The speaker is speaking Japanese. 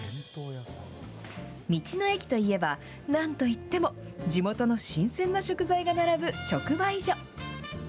道の駅といえば、なんといっても地元の新鮮な食材が並ぶ直売所。